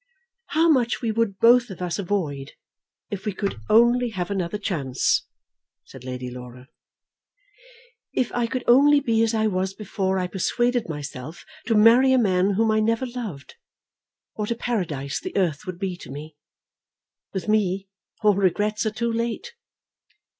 "How much we would both of us avoid if we could only have another chance!" said Lady Laura. "If I could only be as I was before I persuaded myself to marry a man whom I never loved, what a paradise the earth would be to me! With me all regrets are too late."